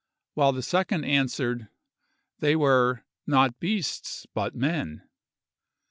While the second answered, they were "not beasts, but men."